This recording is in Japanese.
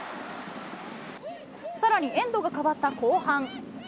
さらに、エンドが変わった後半。